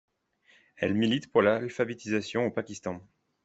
Elle milite pour l'alphabétisation au Pakistan.